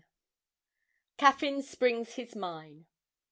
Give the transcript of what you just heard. CAFFYN SPRINGS HIS MINE.